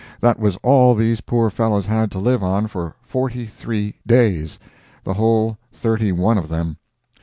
That was all these poor fellows had to live on for forty three days—the whole thirty one of them!